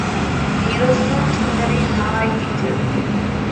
ۋىرۇسنىڭ تۈرلىرى ناھايىتى كۆپ.